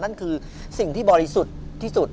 นั่นคือสิ่งที่บริสุทธิ์ที่สุด